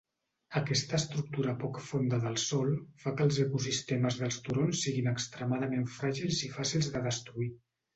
Aquesta estructura poc fonda del sòl fa que els ecosistemes dels turons siguin extremadament fràgils i fàcils de destruir.